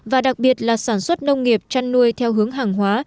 và đặc biệt là sản xuất nông nghiệp chăn nuôi theo hướng hàng hóa